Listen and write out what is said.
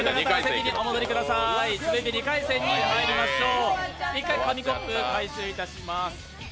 続いて２回戦にまいりましょう。